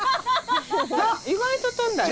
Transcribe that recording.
意外と飛んだよ。